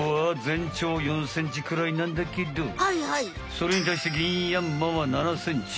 それにたいしてギンヤンマは７ｃｍ。